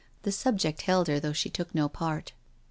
The subject held her though she took no part.